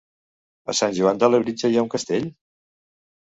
A Sant Joan de Labritja hi ha un castell?